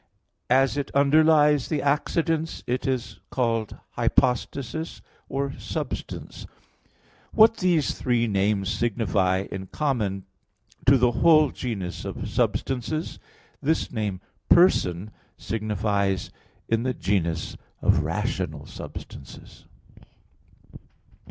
As it underlies the accidents, it is called "hypostasis," or "substance." What these three names signify in common to the whole genus of substances, this name "person" signifies in the genus of rational substances.